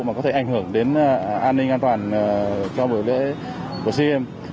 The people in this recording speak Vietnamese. mà có thể ảnh hưởng đến an ninh an toàn cho bổi lễ của suy hiệp